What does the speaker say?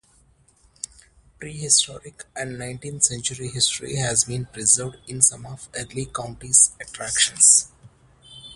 Prehistoric and nineteenth-century history has been preserved in some of Early County's attractions.